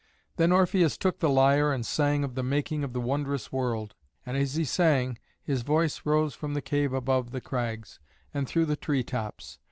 Then Orpheus took the lyre and sang of the making of the wondrous world. And as he sang, his voice rose from the cave above the crags, and through the tree tops.